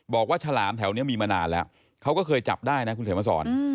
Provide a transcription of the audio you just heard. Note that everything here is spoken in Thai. บอกว่าฉลามแถวนี้มีมานานแล้วเขาก็เคยจับได้นะคุณเศษมศร